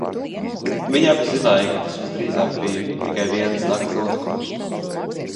Viņi abi zināja, ka tas visdrīzāk bija tikai vienas nakts notikums.